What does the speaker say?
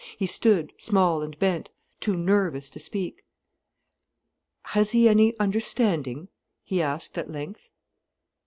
He stood, small and bent, too nervous to speak. "Has he any understanding?" he asked at length.